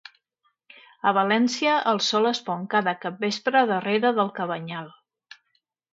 A València, el sol es pon cada capvespre darrera del Cabanyal